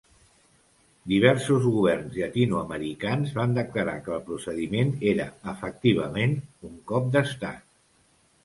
Diversos governs llatinoamericans van declarar que el procediment era efectivament un cop d'Estat.